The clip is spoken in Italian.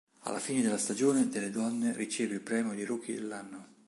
Alla fine della stagione Delle Donne riceve il premio di Rookie dell'anno.